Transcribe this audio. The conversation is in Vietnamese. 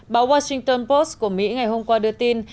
báo washington post của mỹ ngày hôm qua đưa tin